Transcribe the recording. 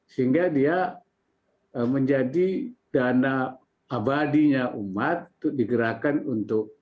sehingga dia menjadi dana abadinya umat digerakkan untuk umat untuk masyarakat